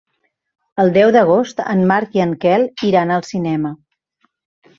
El deu d'agost en Marc i en Quel iran al cinema.